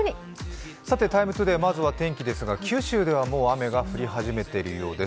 さて、「ＴＩＭＥ，ＴＯＤＡＹ」まずは天気ですが九州ではもう雨が降り始めているようです。